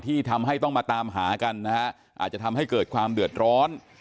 ที่ทำให้ต้องมาตามหากันนะฮะอาจจะทำให้เกิดความเดือดร้อน